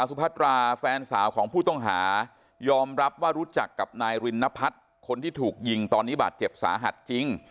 สุพัตราแฟนสาวของผู้ต้องหายอมรับว่ารู้จักกับนายรินนพัฒน์คนที่ถูกยิงตอนนี้บาดเจ็บสาหัสจริง